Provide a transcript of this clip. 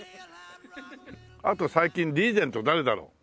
あと最近リーゼント誰だろう？